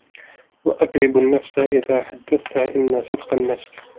وَأَكْذِبُ النَّفْسَ إذَا حَدَّثْتُهَا إنَّ صِدْقَ النَّفْسِ